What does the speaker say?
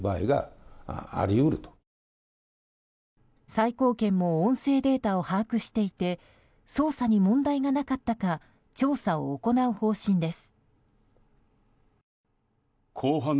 最高検も音声データを把握していて捜査に問題がなかったか調査を行う方針です。